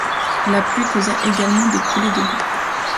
La pluie causa également des coulées de boue.